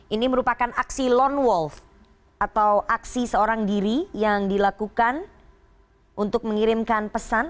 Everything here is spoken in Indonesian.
ini merupakan aksi lone wolf atau aksi seorang diri yang dilakukan untuk mengirimkan pesan